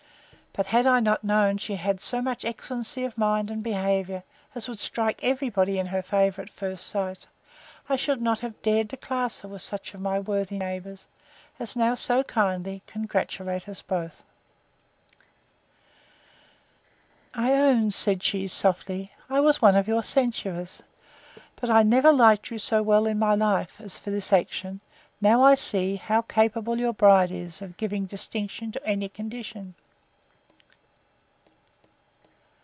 But had I not known she had so much excellency of mind and behaviour, as would strike every body in her favour at first sight, I should not have dared to class her with such of my worthy neighbours, as now so kindly congratulate us both. I own, said she, softly, I was one of your censurers; but I never liked you so well in my life, as for this action, now I see how capable your bride is of giving distinction to any condition.